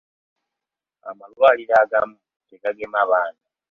Amalwaliro agamu tegagema baana.